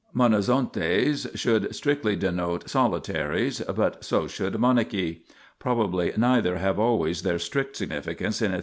1 Monazontes should strictly denote " soli taries," but so should monachi: probably neither have always their strict significance in Etheria's vocabulary.